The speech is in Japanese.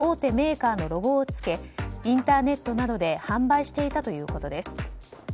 カートリッジには偽装した大手メーカーのロゴを付けインターネットなどで販売していたということです。